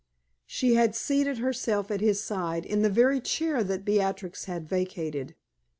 She had seated herself at his side, in the very chair that Beatrix had vacated.